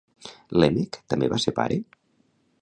Lèmec també va ser pare?